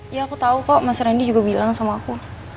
ya aku tahu kok mas randy juga bilang sama aku